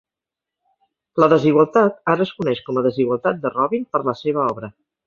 La desigualtat ara es coneix com a desigualtat de Robin per la seva obra.